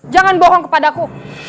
jangan bohong kepada aku